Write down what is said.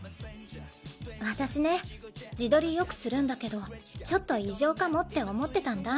私ね自撮りよくするんだけどちょっと異常かもって思ってたんだ。